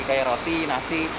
kayak roti nasi